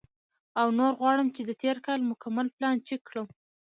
او نور غواړم چې د تېر کال مکمل پلان چیک کړم،